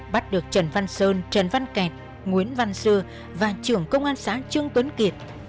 bắt được trần văn sơn trần văn kẹt nguyễn văn sư và trưởng công an xã trương tuấn kiệt